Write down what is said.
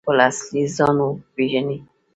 خپل اصلي ځان وپیژني؟